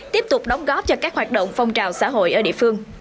tiếp tục đóng góp cho các hoạt động phong trào xã hội ở địa phương